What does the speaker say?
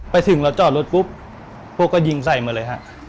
ไปถึงเราจอดรถปุ๊บพวกก็ยิงใส่มาเลยฮะ